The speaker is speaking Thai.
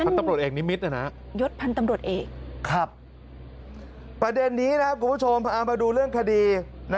นั่นยศพันธ์ตำรวจเอกประเด็นนี้นะครับคุณผู้ชมพามาดูเรื่องคดี